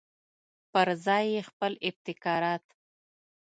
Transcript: پرځای یې خپل ابتکارات.